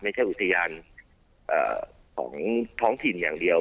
ไม่ใช่อุทธิญาณของท้องถิ่นอย่างเดียว